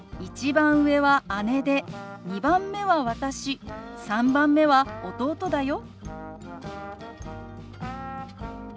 １番上は姉で２番目は私３番目は弟だよ。